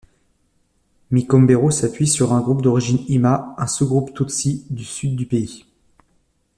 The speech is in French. Micombero s'appuie sur un groupe d'origine hima, un sous-groupe tutsi du sud du pays.